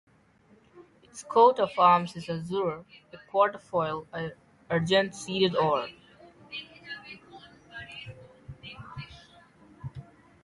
Its coat of arms is Azure a Quatrefoil Argent seeded Or.